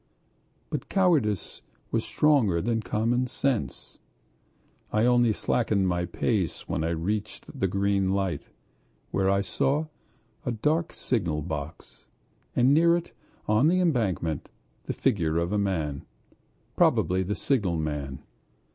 But cowardice was stronger than common sense. I only slackened my pace when I reached the green light, where I saw a dark signal box, and near it on the embankment the figure of a man, probably the signalman.